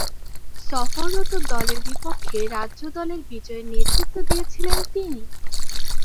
সফররত দলের বিপক্ষে রাজ্য দলের বিজয়ে নেতৃত্ব দিয়েছিলেন তিনি।